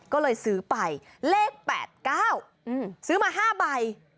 ก็เลยซื้อไปเลข๘๙ซื้อมา๕ใบ